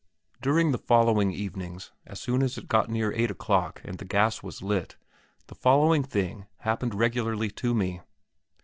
During the following evenings, as soon as it got near eight o'clock and the gas was lit, the following thing happened regularly to me.